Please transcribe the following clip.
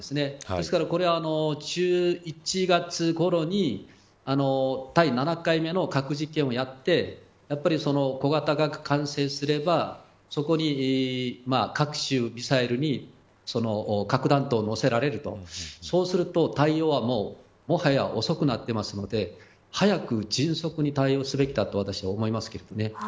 ですから、これは１１月ごろに第７回目の核実験をやってやはり小型化が完成すればそこに各種ミサイルに核弾頭を載せられるとそうすると対応はもはや遅くなってますので早く迅速に対応すべきだと私は思いますけどね。